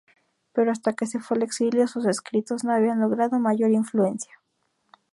Pero hasta que se fue al exilio sus escritos no habían logrado mayor influencia.